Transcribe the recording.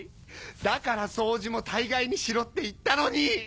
だから掃除も大概にしろって言ったのに！